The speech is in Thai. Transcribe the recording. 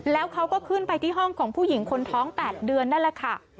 ทั้ง๘เดือนนั่นแหละค่ะ